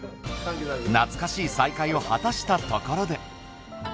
懐かしい再会を果たしたところで。